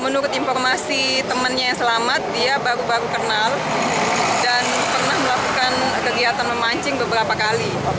menurut informasi temannya yang selamat dia baru baru kenal dan pernah melakukan kegiatan memancing beberapa kali